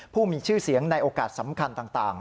ผู้มีชื่อเสียงในโอกาสสำคัญต่าง